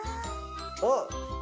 あっ！